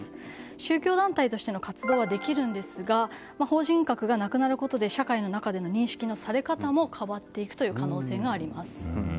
宗教団体としての活動はできるんですが法人格がなくなることで社会の中での認識のされ方も変わっていくという可能性があります。